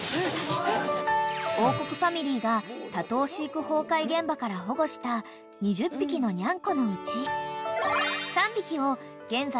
［王国ファミリーが多頭飼育崩壊現場から保護した２０匹のニャンコのうち］